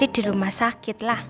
ya pasti di rumah sakit lah